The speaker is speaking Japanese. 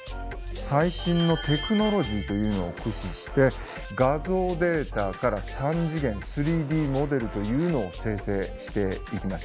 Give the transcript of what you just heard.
最新のテクノロジーというのを駆使して画像データから３次元３Ｄモデルというのを生成していきました。